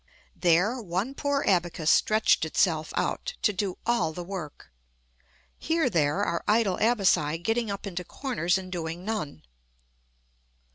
There one poor abacus stretched itself out to do all the work: here there are idle abaci getting up into corners and doing none.